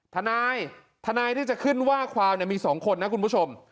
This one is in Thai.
ทนายทนายที่จะขึ้นว่าความมี๒คนนะคุณผู้ชม